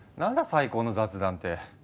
最高の雑談って。